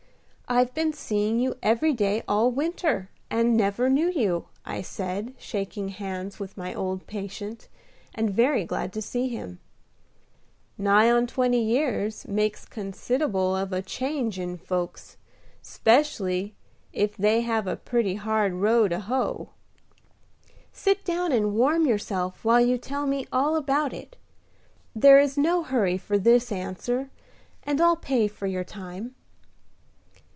I've been seeing you every day all winter, and never knew you," I said, shaking hands with my old patient, and very glad to see him. "Nigh on to twenty years makes consid'able of a change in folks, 'specially if they have a pretty hard row to hoe." "Sit down and warm yourself while you tell me all about it; there is no hurry for this answer, and I'll pay for your time."